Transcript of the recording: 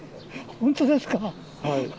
本当ですか？